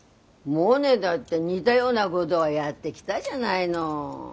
モネだって似だようなごどはやってきたじゃないの。